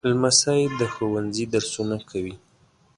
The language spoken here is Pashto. لمسی د ښوونځي درسونه کوي.